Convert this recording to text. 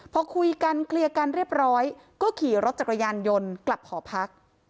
พอคุยกันเคลียร์กันเรียบร้อยก็ขี่รถจักรยานยนต์กลับหอพัก